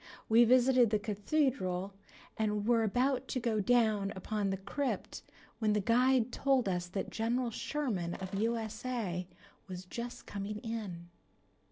We visited the Cathedral and were about to go down into the crypt when the guide told us that Gen. Sherman of U.S.A. was just coming in.